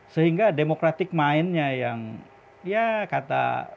sehingga demokratik mind nya yang ya kata